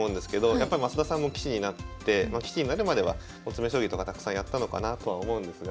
やっぱり増田さんも棋士になるまでは詰将棋とかたくさんやったのかなとは思うんですが。